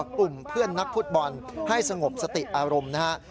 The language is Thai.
กลุ่มเพื่อนนักฟุตบอลให้สงบสติอารมณ์นะครับ